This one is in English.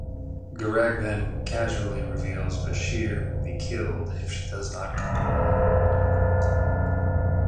Garak then casually reveals Bashir will be killed if she does not comply.